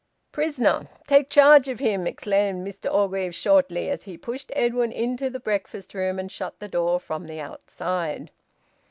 "Prisoner! Take charge of him!" exclaimed Mr Orgreave shortly, as he pushed Edwin into the breakfast room and shut the door from the outside.